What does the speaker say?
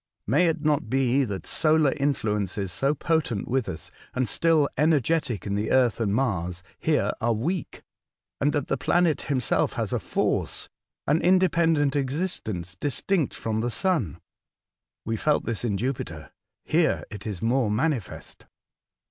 May it not be that solar influences, so potent with us, and still energetic in the Earth and Mars, here are weak, and that the planet himself has a force, — an independent existence distinct from the sun? We felt this in Jupiter ; here it is more manifest."